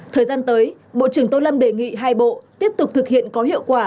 thời gian tới bộ trưởng tô lâm đề nghị hai bộ tiếp tục thực hiện có hiệu quả